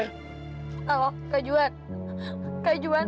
halo kak juan